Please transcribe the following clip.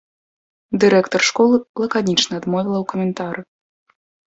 Дырэктар школы лаканічна адмовіла ў каментары.